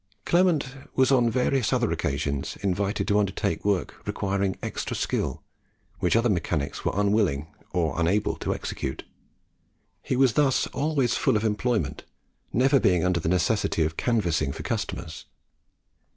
Clement was on various other occasions invited to undertake work requiring extra skill, which other mechanics were unwilling or unable to execute. He was thus always full of employment, never being under the necessity of canvassing for customers.